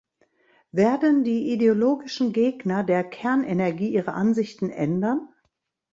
Werden die ideologischen Gegner der Kernenergie ihre Ansichten ändern?